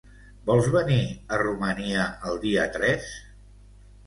Vols venir a Romania el dia tres?